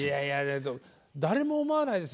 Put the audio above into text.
誰も思わないです。